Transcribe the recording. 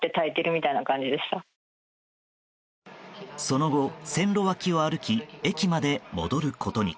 その後、線路脇を歩き駅まで戻ることに。